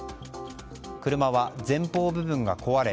車は前方部分が壊れ